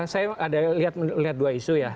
saya ada lihat dua isu ya